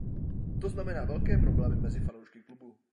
To znamená velké problémy mezi fanoušky klubu.